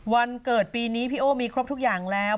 วันเกิดปีนี้พี่โอ้มีครบทุกอย่างแล้ว